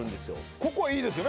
ここいいですよね